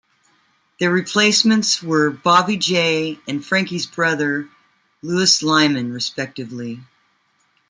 Their replacements were Bobby Jay and Frankie's brother Lewis Lymon, respectively.